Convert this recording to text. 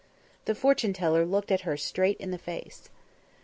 The fortune teller looked her straight in the face.